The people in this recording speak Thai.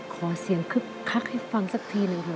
ขอเสียงคับฆักให้ฟังสักทีหนึ่ง